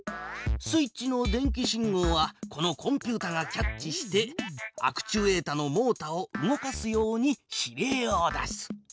スイッチの電気信号はこのコンピュータがキャッチしてアクチュエータのモータを動かすように指令を出す。